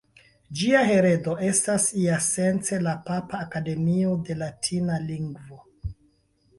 Ĝia heredo estas iasence la Papa Akademio de Latina Lingvo.